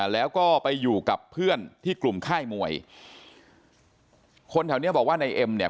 แล้วก็ไปอยู่กับเพื่อนที่กลุ่มค่ายมวยคนแถวเนี้ยบอกว่าในเอ็มเนี่ย